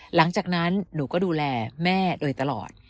หลังจากนั้นหนูก็ดูแลแม่โดยตลอด